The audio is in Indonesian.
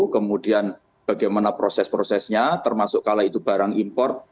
kemudian bagaimana proses prosesnya termasuk kalau itu barang import